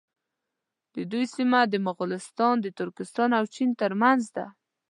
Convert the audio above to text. د دوی سیمه مغولستان د ترکستان او چین تر منځ ده.